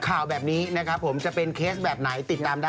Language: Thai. ข่าวแบบนี้นะครับผมจะเป็นเคสแบบไหนติดตามได้